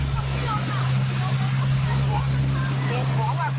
บอกแล้วกว่าอะไรขึ้นเอ้ยมีคนเงื่อยมีคนเงื่อยใครใครเนี่ย